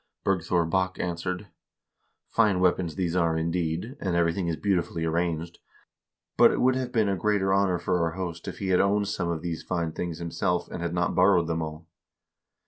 Bergthor Bokk answered: 'Fine weapons these are, indeed, and everything is beautifully arranged, but it would have been a greater honor for our host if he had owned some of these fine things himself and had not borrowed them all.'